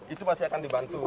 itu pasti akan dibantu